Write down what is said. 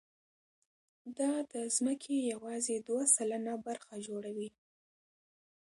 دا د ځمکې یواځې دوه سلنه برخه جوړوي.